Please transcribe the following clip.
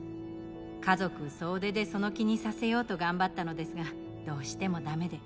家族総出でその気にさせようと頑張ったのですがどうしてもダメで。